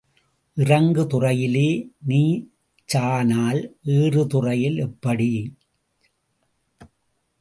இறங்கு துறையிலே நீச்சானால் ஏறு துறையிலே எப்படி?